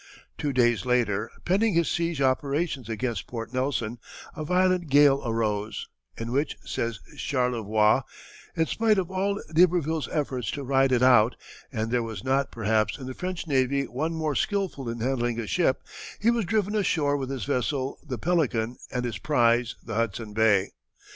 Two days later, pending his siege operations against Port Nelson, a violent gale arose, in which, says Charlevoix, "In spite of all d'Iberville's efforts to ride it out and there was not, perhaps, in the French navy one more skilful in handling a ship he was driven ashore with his vessel, the Pelican, and his prize, the Hudson Bay.